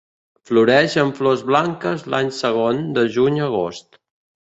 Floreix amb flors blanques l'any segon de juny a agost.